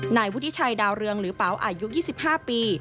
นายวุฒิชัยดาวเรืองหรือเป๋าอายุ๒๕ปี